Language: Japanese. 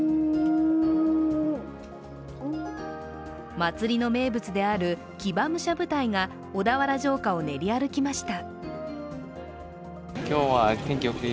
祭りの名物である騎馬武者部隊が小田原城下を練り歩きました。